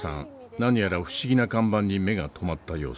何やら不思議な看板に目が留まった様子。